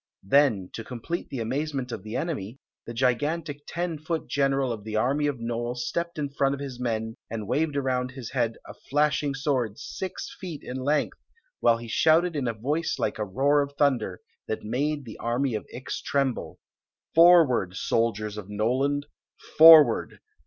Then, to complete the amazement of the enemy, the gigantic ten foot general of the army of Nole stepped in front of his men and waved around his head a flashing sword six feet in length, while he Story of the Magic Clo ak shouted in a voice like a roar of thunder, that made the army of Ix tremble: " Forward, soldiers of Noland— forward